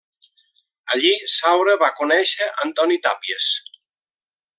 Allí, Saura va conèixer Antoni Tàpies.